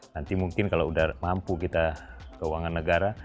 nanti mungkin kalau udah mampu kita keuangan negara